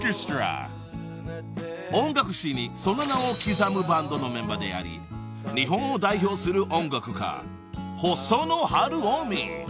［音楽史にその名を刻むバンドのメンバーであり日本を代表する音楽家］